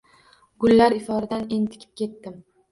Gullar iforidan entikib ketdim